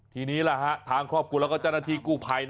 ทีนี้ละห้ะทางครอบครัวแล้วก็จ้านทีกู้ไภ่